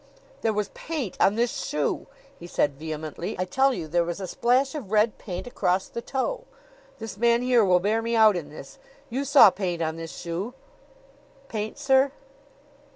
"There was paint on this shoe," he said vehemently. "I tell you there was a splash of red paint across the toe. This man here will bear me out in this. You saw paint on this shoe?" "Paint, sir?"